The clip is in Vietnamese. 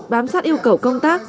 bám sát yêu cầu công tác